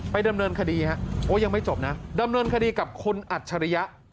ดำเนินคดีฮะโอ้ยังไม่จบนะดำเนินคดีกับคุณอัจฉริยะ